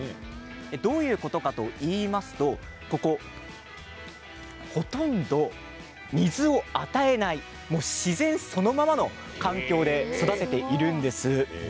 どういうことかといいますとほとんど水を与えない自然そのままの環境で育てているんです。